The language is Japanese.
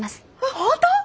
本当！？